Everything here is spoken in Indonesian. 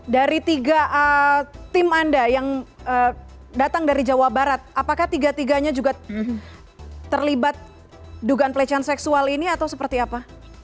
dari tiga tim anda yang datang dari jawa barat apakah tiga tiganya juga terlibat dugaan pelecehan seksual ini atau seperti apa